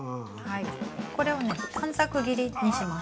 これを短冊切りにします。